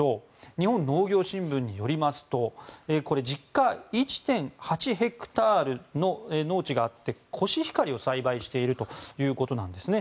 日本農業新聞によりますと実家１．８ヘクタールの農地があって、コシヒカリを栽培しているということです。